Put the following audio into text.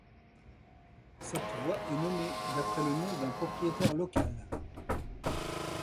Cette voie est nommée d'après le nom d’un propriétaire local.